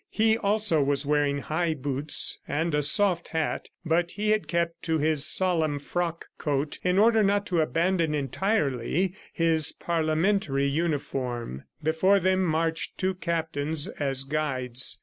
He also was wearing high boots and a soft hat, but he had kept to his solemn frock coat in order not to abandon entirely his parliamentary uniform. Before them marched two captains as guides.